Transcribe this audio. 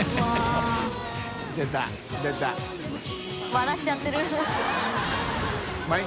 笑っちゃってる